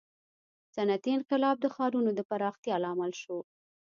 • صنعتي انقلاب د ښارونو د پراختیا لامل شو.